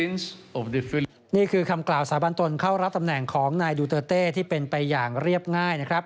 นี่คือคำกล่าวสาบันตนเข้ารับตำแหน่งของนายดูเตอร์เต้ที่เป็นไปอย่างเรียบง่ายนะครับ